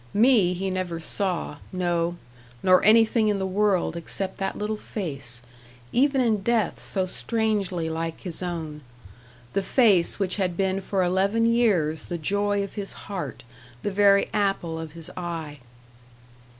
Me he never saw no, nor anything in the world except that little face, even in death so strangely like his own. The face which had been for eleven years the joy of his heart, the very apple of his eye.